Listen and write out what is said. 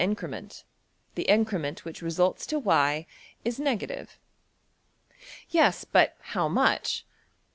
png}% increment, the increment which results to~$y$ is negative. Yes, but how much?